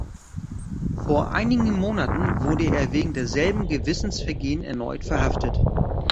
Vor einigen Monaten wurde er wegen derselben Gewissensvergehen erneut verhaftet.